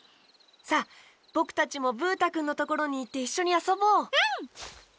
さあぼくたちもブー太くんのところにいっていっしょにあそぼう！